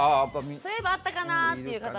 そういえばあったかなっていう方も。